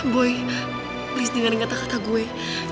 woy tolong jangan denger kata kata gue